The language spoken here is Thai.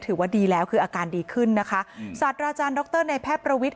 ถือว่าดีแล้วคืออาการดีขึ้นนะคะสัตว์อาจารย์ดรในแพทย์ประวิทย